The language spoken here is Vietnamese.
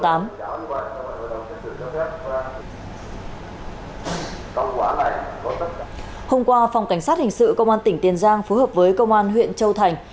hôm qua phòng cảnh sát hình sự công an tỉnh tiền giang phối hợp với công an huyện châu thành